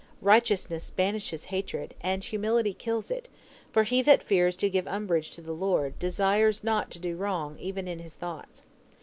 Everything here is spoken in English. Righteousness banishes hatred, and humility kills it, for he that fears to give umbrage to the Lord, desires not to do wrong even in his thoughts.